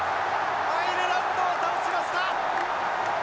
アイルランドを倒しました！